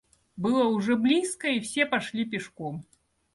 Было уже близко, и все пошли пешком.